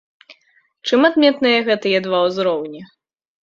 Чым адметныя гэтыя два ўзроўні?